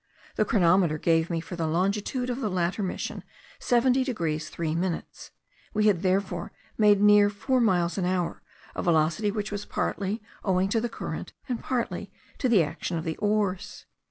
The chronometer gave me for the longitude of the latter mission 70 degrees 3 minutes; we had therefore made near four miles an hour, a velocity which was partly owing to the current, and partly to the action of the oars.